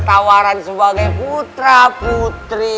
tawaran sebagai putra putri